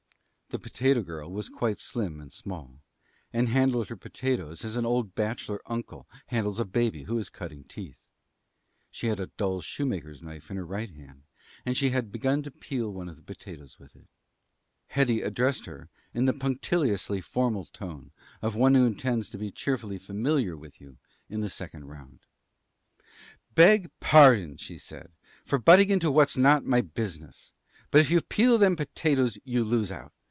The potato girl was quite slim and small, and handled her potatoes as an old bachelor uncle handles a baby who is cutting teeth. She had a dull shoemaker's knife in her right hand, and she had begun to peel one of the potatoes with it. Hetty addressed her in the punctiliously formal tone of one who intends to be cheerfully familiar with you in the second round. "Beg pardon," she said, "for butting into what's not my business, but if you peel them potatoes you lose out.